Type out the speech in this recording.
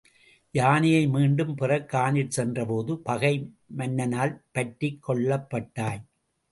யானையை மீண்டும் பெறக் கானிற் சென்றபோது பகை மன்னனால் பற்றிக் கொள்ளப்பட்டாய்!